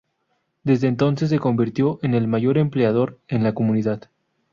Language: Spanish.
Desde entonces, se convirtió en el mayor empleador en la comunidad.